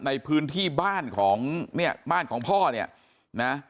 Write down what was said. ในพื้นที่บ้านของเนี่ยบ้านของพ่อเนี่ยนะ